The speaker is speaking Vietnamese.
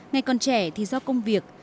ngày còn trẻ thì do công việc